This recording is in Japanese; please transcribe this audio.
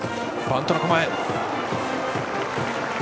バントの構え。